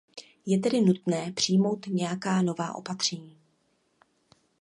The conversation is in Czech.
Je tedy nutné přijmout nějaká nová opatření.